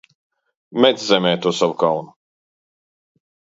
Met zemē to savu kaunu!